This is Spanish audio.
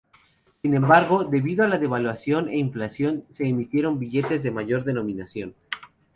Sin embargo, debido a la devaluación e inflación se emitieron billetes de mayor denominación.